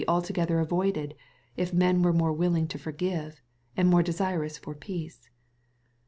altogether avoided, if men were more willing to forgive, and more desirous for peace